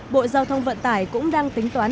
bộ giao thông vận tải cũng đang tính toán